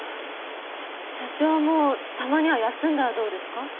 社長もたまには休んだらどうですか？